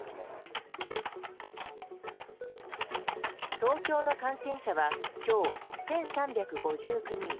東京の感染者は今日、１３５９人。